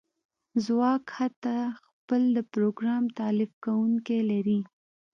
ځواک حتی خپل د پروګرام تالیف کونکی لري